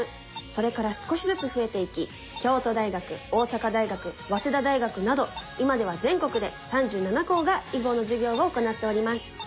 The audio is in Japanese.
それから少しずつ増えていき京都大学大阪大学早稲田大学など今では全国で３７校が囲碁の授業を行っております。